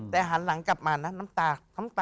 แต่หันหลังกลับมาน้ำตา